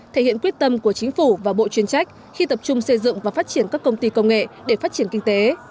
thể hiện quyết tâm của chính phủ và bộ chuyên trách khi tập trung xây dựng và phát triển các công ty công nghệ để phát triển kinh tế